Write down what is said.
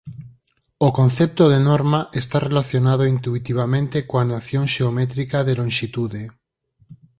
O concepto de "norma" está relacionado intuitivamente coa noción xeométrica de lonxitude.